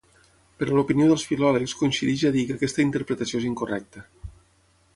Però l'opinió dels filòlegs coincideix a dir que aquesta interpretació és incorrecta.